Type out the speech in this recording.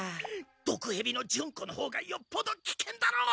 毒ヘビのジュンコのほうがよっぽどきけんだろう！